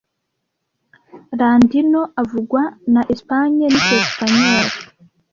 Landino avugwa na Espagne nicyesipanyoli